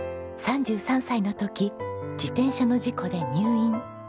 ３３歳の時自転車の事故で入院。